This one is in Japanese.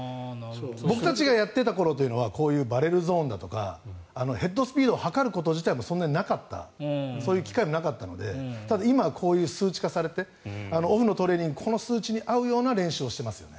僕たちがやっていた頃というのはこういうバレルゾーンとかヘッドスピードを測ること自体もそんなになかったそういう機械もなかったのでただ、今は数値化されてオフのトレーニングではこの数値に合うような練習をしていますよね。